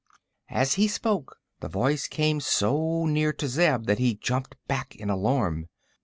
As he spoke the voice came so near to Zeb that he jumped back in alarm.